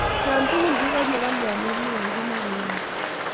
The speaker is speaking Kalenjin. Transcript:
yotokol kikonye, kolyain memwoiwo kiit nekiyaak?